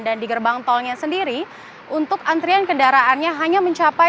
dan di gerbang tolnya sendiri untuk antrian kendaraannya hanya mencapai